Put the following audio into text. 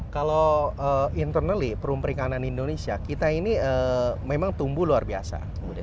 kalau internally perum perikanan indonesia kita ini memang tumbuh luar biasa